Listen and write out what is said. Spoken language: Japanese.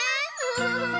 フフフフン。